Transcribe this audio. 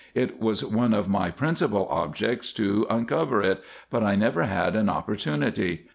It was one of my principal objects to uncover it, but I never had an opportunity.